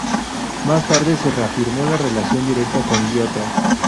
Más tarde se reafirmó la relación directa con Giotto.